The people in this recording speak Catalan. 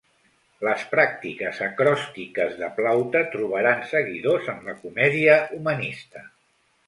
Les pràctiques acròstiques de Plaute trobaran seguidors en la comèdia humanista.